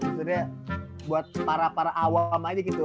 sebenarnya buat para para awam aja gitu